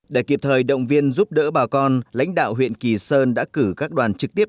để kịp thời động viên giúp đỡ bà con lãnh đạo huyện kỳ sơn đã cử các đoàn trực tiếp